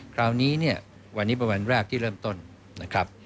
คราวนี้เนี่ยวันนี้เป็นวันแรกที่เริ่มต้นนะครับ